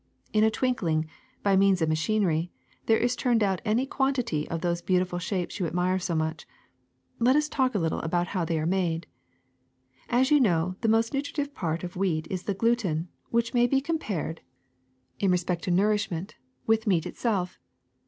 ^^In a twinkling, by means of machinery, there is turned out any quantity of those beautiful shapes you admire so much. Let us talk a little about how they are made. ^*As you now know, the most nutritive part of wheat is the gluten, which may be compared, in re 266 OTHER WHEAT PRODUCTS 267 spect to nourishment, with meat itself.